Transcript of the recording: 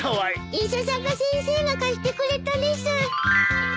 伊佐坂先生が貸してくれたです。